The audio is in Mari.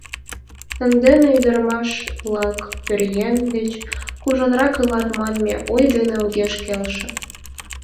Сандене ӱдырамаш-влак пӧръеҥ деч кужунрак илат манме ой дене огеш келше.